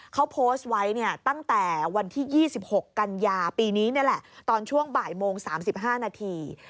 เขาโพสต์ไว้เนี่ยตั้งแต่วันที่๒๖กันยาปีนี้นี่แหละตอนช่วงบ่ายโมง๓๕นาที